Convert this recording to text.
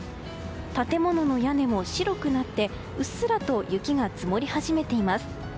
建物の屋根も白くなってうっすらと雪が積もり始めています。